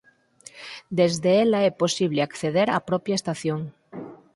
Desde ela é posible acceder á propia estación.